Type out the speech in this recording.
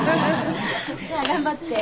じゃあ頑張って。